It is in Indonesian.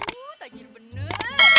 wuh tajir bener